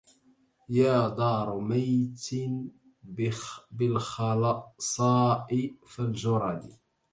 يا دار مية بالخلصاء فالجرد